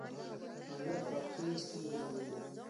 غلط پارکینګ ستونزه جوړوي.